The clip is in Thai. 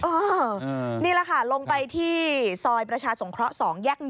นี่แหละค่ะลงไปที่ซอยประชาสงเคราะห์๒แยก๑